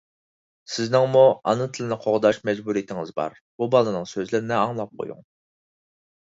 سىزنىڭمۇ ئانا تىلنى قوغداش مەجبۇرىيىتىڭىز بار. بۇ بالىنىڭ سۆزلىرىنى ئاڭلاپ قويۇڭ.